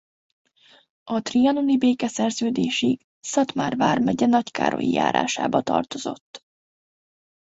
A trianoni békeszerződésig Szatmár vármegye nagykárolyi járásába tartozott.